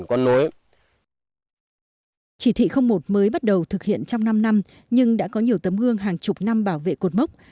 chỉ thị một mới bắt đầu thực hiện trong năm năm nhưng đã có nhiều tấm gương hàng chục năm bảo vệ cột mốc